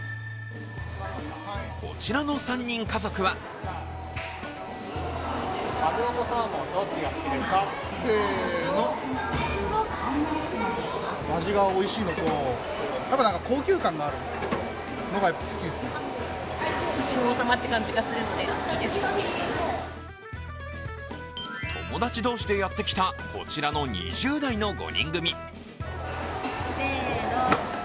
こちらの３人家族は友達同士でやってきたこちらの２０代の５人組。